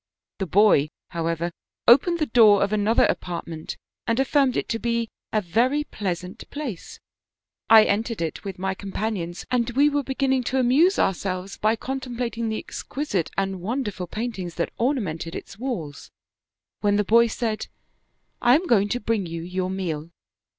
" The boy, however, opened the door of another apart ment and affirmed it to be a very pleasant place ; I entered it with my companions, and we were beginning to amuse ourselves by contemplating the exquisite and wonderful paintings that ornamented its walls, when the boy said, * I am going to bring you your meal.'